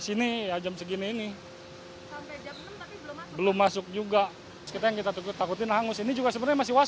sini ya jam segini ini belum masuk juga kita yang kita takutin hangus ini juga sebenarnya masih was